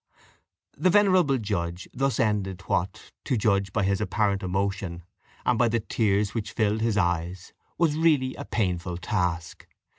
The venerable judge thus ended what, to judge by his apparent emotion, and by the tears which filled his eyes, was really a painful task.